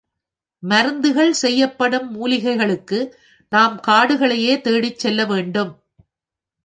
மருந்துகள் செய்யப் பயன்படும் மூலிகைகளுக்கு நாம் காடுகளையே தேடிச் செல்ல வேண்டும்.